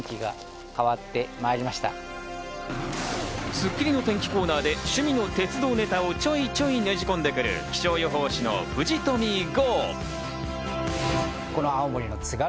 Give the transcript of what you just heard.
『スッキリ』の天気コーナーで趣味の鉄道ネタをちょいちょいねじ込んでくる、気象予報士の藤富郷。